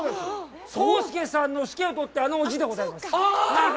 浩介さんの「介」をとって、あの字でございます。